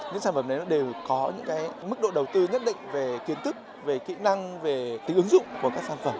những sản phẩm đấy đều có mức độ đầu tư nhất định về kiến thức về kỹ năng về tính ứng dụng của các sản phẩm